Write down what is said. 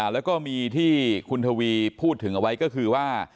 แล้วก็มีที่คุณทวีพูดถึงเอาไว้ก็คือว่า